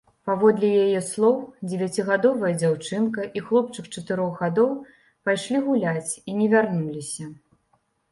Паводле яе слоў, дзевяцігадовая дзяўчынка і хлопчык чатырох гадоў пайшлі гуляць і не вярнуліся.